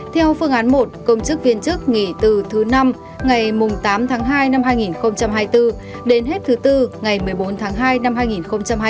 theo phương án một công chức viên chức nghỉ từ thứ năm ngày tám tháng hai năm hai nghìn hai mươi bốn đến hết thứ bốn ngày một mươi bốn tháng hai năm hai nghìn hai mươi bốn